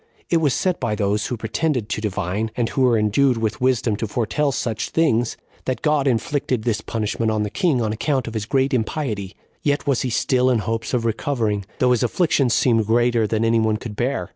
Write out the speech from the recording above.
It was said by those who pretended to divine, and who were endued with wisdom to foretell such things, that God inflicted this punishment on the king on account of his great impiety; yet was he still in hopes of recovering, though his afflictions seemed greater than any one could bear.